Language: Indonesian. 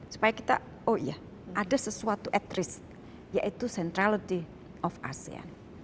supaya kita oh iya ada sesuatu at risk yaitu centrality of asean